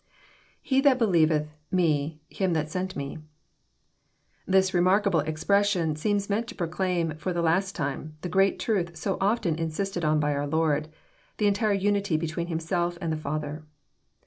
IHe that helieveth,..me.„Him that sent me."] This remarkable expression seems meant to proclaim, for the last time, the great truth so often insisted on by our Lord, — the entire unity between Himself and the Father.